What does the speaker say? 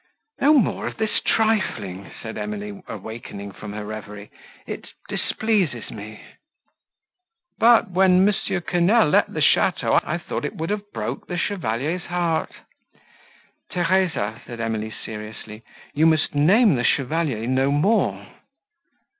"No more of this trifling," said Emily, awakening from her reverie: "it displeases me." "But, when M. Quesnel let the château, I thought it would have broke the Chevalier's heart." "Theresa," said Emily seriously, "you must name the Chevalier no more!"